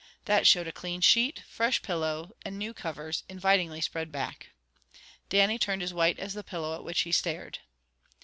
That showed a clean sheet, fresh pillow, and new covers, invitingly spread back. Dannie turned as white as the pillow at which he stared.